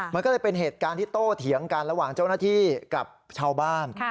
มันก็เลยเป็นเหตุการณ์ที่โตเถียงกันระหว่างเจ้าหน้าที่กับชาวบ้าน